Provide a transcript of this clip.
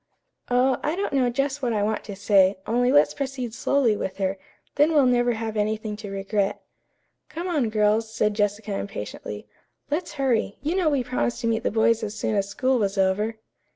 "Oh, I don't know just what I want to say, only let's proceed slowly with her, then we'll never have anything to regret." "Come on, girls," said Jessica impatiently. "Let's hurry. You know we promised to meet the boys as soon as school was over."